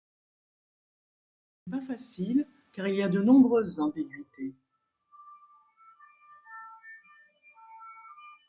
Ce n'est pas facile car il y a de nombreuses ambiguïtés.